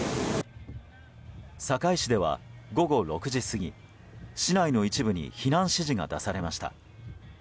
堺市では午後６時過ぎ市内の一部に避難指示が出されました。